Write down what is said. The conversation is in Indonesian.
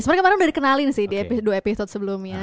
sebenarnya kemarin udah dikenalin sih di dua episode sebelumnya